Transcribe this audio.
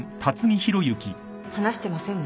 話してませんね。